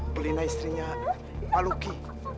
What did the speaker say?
bu lina istrinya pak luki